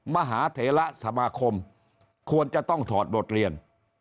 มหาเถระสมาคมควรจะต้องถอดบทเรียน